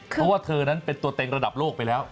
เพราะว่าเธอนั้นเป็นตัวเต็งระดับโลกไปแล้ว